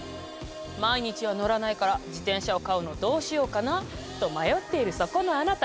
毎日は乗らないから自転車を買うのどうしようかなと迷っているそこのあなた！